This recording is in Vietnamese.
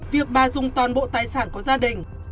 việc bà dùng toàn bộ tài sản của gia đình